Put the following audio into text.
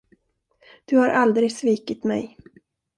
Du har aldrig svikit mig.